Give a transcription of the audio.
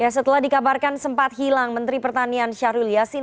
setelah dikabarkan sempat hilang menteri pertanian syahrul yassin